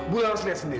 bu laras lihat sendiri